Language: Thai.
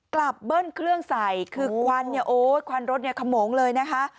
เบิ้ลเครื่องใส่คือควันเนี่ยโอ้ยควันรถเนี่ยขโมงเลยนะคะ